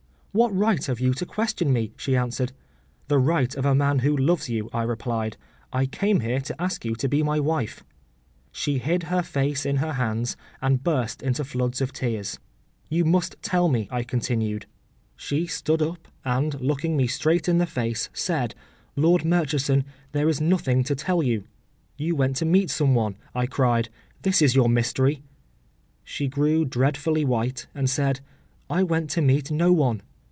“What right have you to question me?” she answered. “The right of a man who loves you,” I replied; “I came here to ask you to be my wife.” She hid her face in her hands, and burst into floods of tears. “You must tell me,” I continued. She stood up, and, looking me straight in the face, said, “Lord Murchison, there is nothing to tell you.”—“You went to meet some one,” I cried; “this is your mystery.” She grew dreadfully white, and said, “I went to meet no one.